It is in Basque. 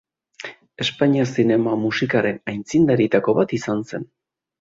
Espainiar zinema musikaren aitzindarietako bat izan zen.